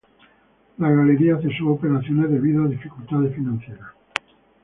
La galería cesó operaciones debido a dificultades financieras.